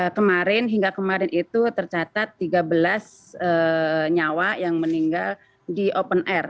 kemarin hingga kemarin itu tercatat tiga belas nyawa yang meninggal di open air